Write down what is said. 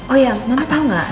oh iya mama tahu nggak